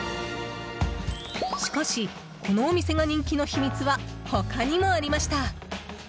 しかし、このお店が人気の秘密は他にもありました。